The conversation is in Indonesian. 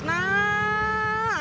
nah aku gak mau